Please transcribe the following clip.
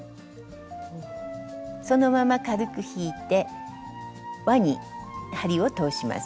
そのまま軽く引いてわに針を通します。